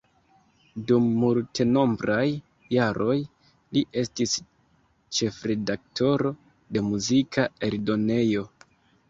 Dum multenombraj jaroj, li estis ĉefredaktoro de muzika eldonejo.